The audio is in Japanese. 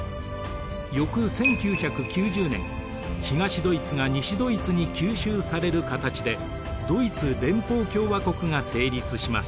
翌１９９０年東ドイツが西ドイツに吸収される形でドイツ連邦共和国が成立します。